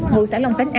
ngụ xã long khánh a